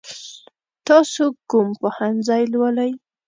تاسو کوم پوهنځی لولئ؟